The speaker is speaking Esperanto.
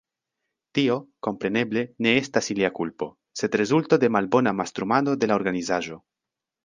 Tio, kompreneble, ne estas ilia kulpo, sed rezulto de malbona mastrumado de la organizaĵo.